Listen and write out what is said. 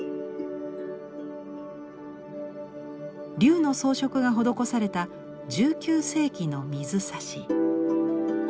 龍の装飾が施された１９世紀の水差し。